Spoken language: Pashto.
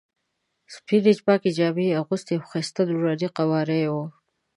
سپینې پاکې جامې یې اغوستې او ښایسته نوراني قواره یې وه.